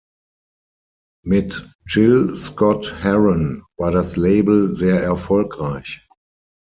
Mit Gil Scott-Heron war das Label sehr erfolgreich.